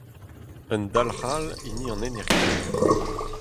Un dalc'h all, hini an energiezh.